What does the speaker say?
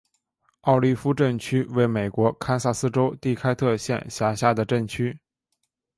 奥利夫镇区为美国堪萨斯州第开特县辖下的镇区。